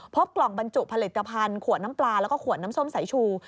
พบกล่องบรรจุผลิตภัณฑ์ขวดน้ำปลาแล้วก็ขวดน้ำส้มสายชู